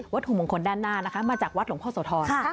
ถุมงคลด้านหน้านะคะมาจากวัดหลวงพ่อโสธร